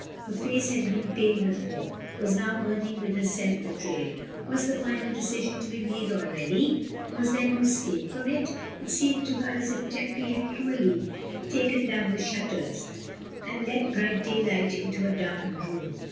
Her face had been pale before — was now burning with her self betrayal. Was the final decision to be made already? Was there no escape from it? It seemed to her as if Tempy had cruelly taken down the shutters, and let bright daylight into a darkened room.